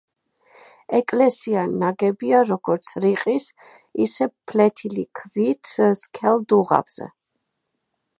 ეკლესია ნაგებია როგორც რიყის, ისე ფლეთილი ქვით სქელ დუღაბზე.